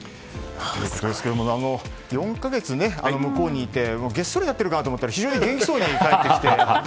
４か月、向こうにいてげっそりになってるかなと思ったら元気そうに帰ってきて。